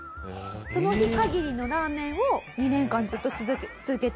その日限りのラーメンを２年間ずっと続けている。